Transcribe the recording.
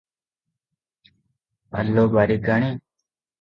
ଆଲୋ ବାରିକାଣି!